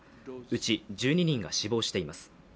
うち１２人が死亡しています。